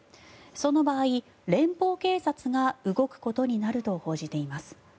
その場合連邦警察が動くことになると報じています。